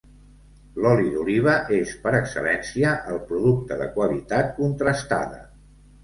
L'oli d'oliva és, per excel·lència, el producte de qualitat contrastada.